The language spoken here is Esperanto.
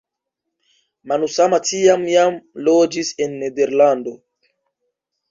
Manusama tiam jam loĝis en Nederlando.